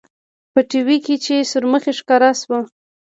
په ټي وي کښې چې سورمخى ښکاره سو.